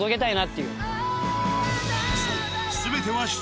そう。